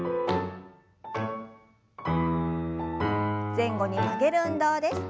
前後に曲げる運動です。